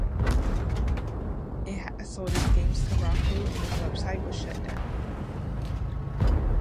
It has sold its games to RockYou, and its website was shut down.